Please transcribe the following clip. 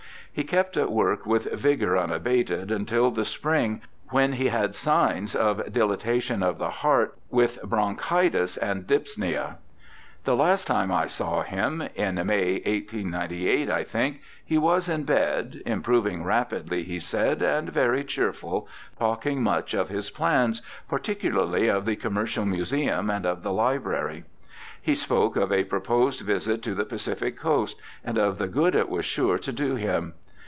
He kept at work with vigour un abated until the spring, when he had signs of dilatation of the heart, with bronchitis and dyspnoea. The last time I saw him, in May, 1898, I think, he was in bed, improving rapidly, he said, and very cheerful, talk ing much of his plans, particularly of the Commercial Museum and of the Library. He spoke of a proposed visit to the Pacific Coast, and of the good it was sure to do him.